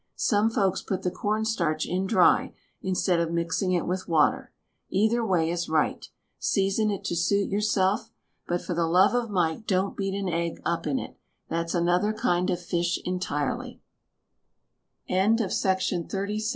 Some folks put the corn starch in dry, instead of mixing it with water. Either way is right. Season it to suit yourself. But for the love of Mike don't beat an egg up in it. That's another kind of fish entirely.